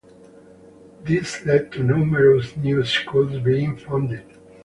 This led to numerous new schools being founded.